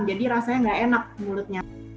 jadi rasanya nggak enak mulutnya